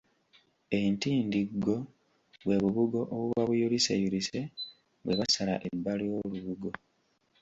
Entindiggo bwe bubugo obuba buyuliseyulise bwe basala ebbali w'olubugo.